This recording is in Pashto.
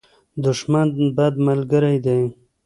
دښمن، بد ملګری دی.